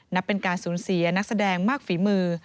นับเป็นการสูญเสียนักแสดงมากฝีมือ